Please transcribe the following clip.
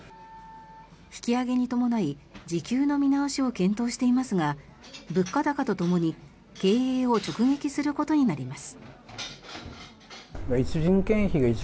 引き上げに伴い時給の見直しを検討していますが物価高とともに経営を直撃することになります。